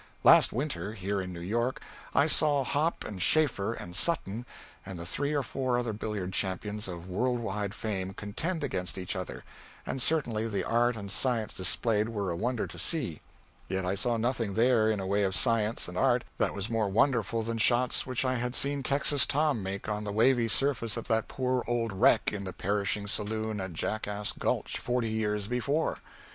Last winter, here in New York, I saw Hoppe and Schaefer and Sutton and the three or four other billiard champions of world wide fame contend against each other, and certainly the art and science displayed were a wonder to see; yet I saw nothing there in the way of science and art that was more wonderful than shots which I had seen Texas Tom make on the wavy surface of that poor old wreck in the perishing saloon at Jackass Gulch forty years before.